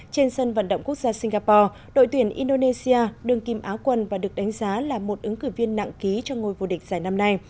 trên sân vận động quốc gia singapore đội tuyển indonesia đường kim áo quần và được đánh giá là một ứng cử viên nặng ký cho ngôi vô địch giải năm nay